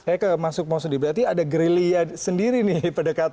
saya masuk maksudnya berarti ada gerilya sendiri nih